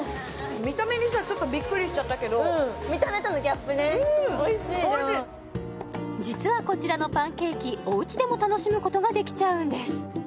見た目にさちょっとびっくりしちゃったけど見た目とのギャップねおいしいでも実はこちらのパンケーキおうちでも楽しむことができちゃうんです